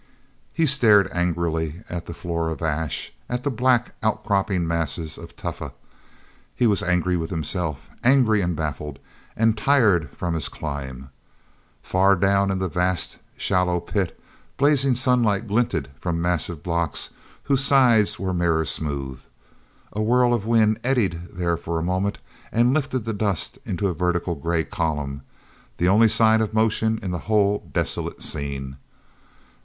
He stared angrily at the floor of ash, at the black, outcropping masses of tufa. He was angry with himself, angry and baffled and tired from his climb. Far down in the vast, shallow pit blazing sunlight glinted from massive blocks whose sides were mirror smooth. A whirl of wind eddied there for a moment and lifted the dust into a vertical gray column—the only sign of motion in the whole desolate scene.